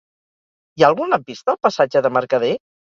Hi ha algun lampista al passatge de Mercader?